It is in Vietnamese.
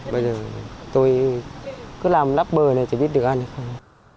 bây giờ tôi cứ làm lấp bờ này thì biết được ăn được không